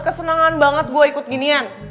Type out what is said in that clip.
kesenangan banget gue ikut ginian